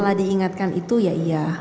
kalau diingatkan itu ya iya